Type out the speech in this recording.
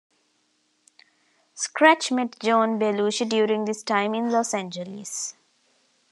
Scratch met John Belushi during this time in Los Angeles.